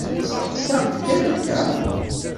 Steqsaɣ-d kan akka.